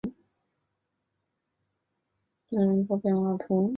库勒米耶勒塞克人口变化图示